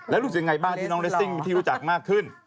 แล้วรู้สึกยังไงบ้างที่น้องเรสซิ่งที่รู้จักมากขึ้น